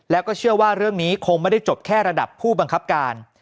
แล้วก็เชื่อว่าเรื่องนี้คงไม่ได้จบแค่ระดับผู้บังคับการ